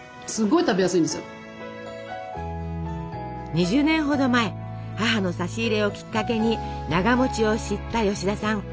２０年ほど前母の差し入れをきっかけにながを知った吉田さん。